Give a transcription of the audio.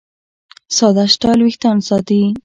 ساده سټایل وېښتيان ساتي.